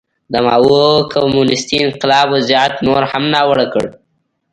د ماوو کمونېستي انقلاب وضعیت نور هم ناوړه کړ.